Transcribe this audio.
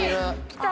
来た！